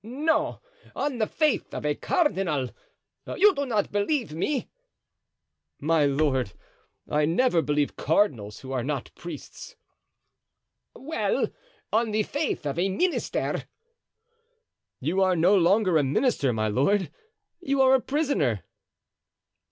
"No—on the faith of a cardinal. You do not believe me?" "My lord, I never believe cardinals who are not priests." "Well, on the faith of a minister." "You are no longer a minister, my lord; you are a prisoner."